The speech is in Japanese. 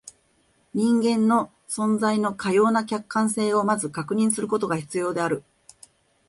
人間の存在のかような客観性を先ず確認することが必要である。